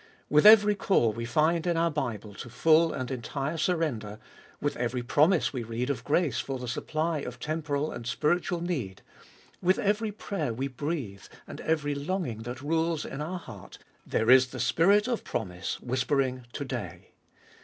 With every call we find in our Bible to full and entire surrender ; with every promise we read of grace for the supply of temporal and spiritual need ; with every prayer we breathe, and every longing that rules in our heart, there is the Spirit of promise whispering, To day.